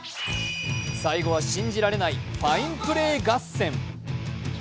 最後は信じられないファインプレー合戦。